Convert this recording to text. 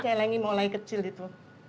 saya lagi mulai kecil itu